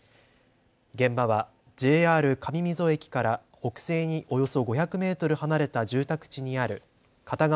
現場はＪＲ上溝駅から北西におよそ５００メートル離れた住宅地にある片側